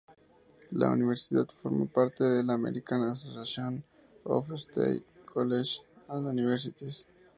La universidad forma parte de la "American Association of State Colleges and Universities".